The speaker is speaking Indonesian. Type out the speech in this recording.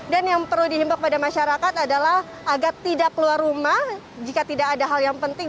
dan yang perlu dihimpak pada masyarakat adalah agak tidak keluar rumah jika tidak ada hal yang penting